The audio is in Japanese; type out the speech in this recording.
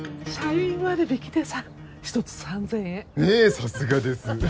さすがです。